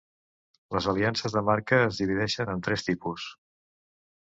Les aliances de marca es divideixen en tres tipus.